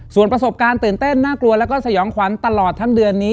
ส่วนประสบการณ์ตื่นเต้นน่ากลัวแล้วก็สยองขวัญตลอดทั้งเดือนนี้